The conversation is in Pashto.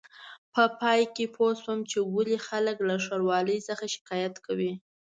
په پای کې پوه شوم چې ولې خلک له ښاروالۍ څخه شکایت کوي.